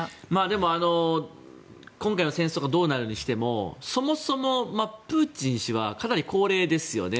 でも、今回の戦争がどうなるにしてもそもそもプーチン氏はかなり高齢ですよね。